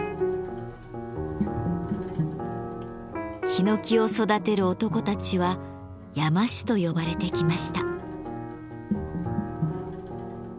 ヒノキを育てる男たちは山師と呼ばれてきました。